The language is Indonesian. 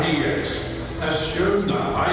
telah menunjukkan keuntungan terbesar